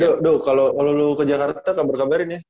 do do kalo lu ke jakarta kamu berkabarin ya